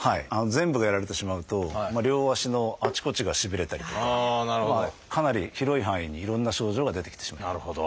全部がやられてしまうと両足のあちこちがしびれたりとかかなり広い範囲にいろんな症状が出てきてしまう。